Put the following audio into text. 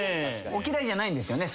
お嫌いじゃないんですよね？